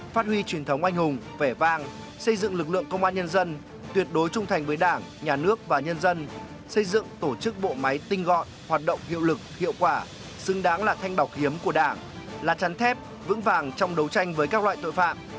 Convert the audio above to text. phát huy truyền thống anh hùng vẻ vang xây dựng lực lượng công an nhân dân tuyệt đối trung thành với đảng nhà nước và nhân dân xây dựng tổ chức bộ máy tinh gọn hoạt động hiệu lực hiệu quả xứng đáng là thanh bọc hiếm của đảng là chắn thép vững vàng trong đấu tranh với các loại tội phạm